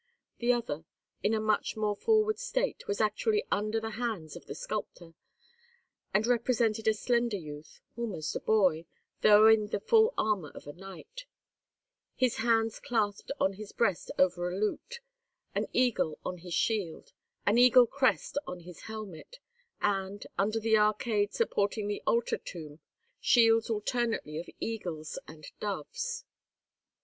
The other, in a much more forward state, was actually under the hands of the sculptor, and represented a slender youth, almost a boy, though in the full armour of a knight, his hands clasped on his breast over a lute, an eagle on his shield, an eagle crest on his helmet, and, under the arcade supporting the altar tomb, shields alternately of eagles and doves.